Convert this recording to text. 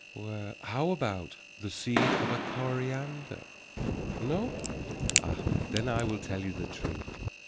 Well, how about the seed of a coriander? No? Then I will tell you the truth.